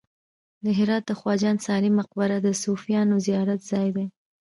د هرات د خواجه انصاري مقبره د صوفیانو زیارت ځای دی